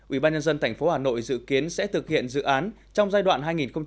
ủy ban nhân dân tp hà nội dự kiến sẽ thực hiện dự án trong giai đoạn hai nghìn hai mươi hai nghìn ba mươi